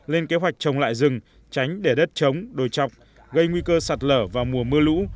lên kế hoạch trồng lại rừng tránh để đất trống đồi chọc gây nguy cơ sạt lở vào mùa mưa lũ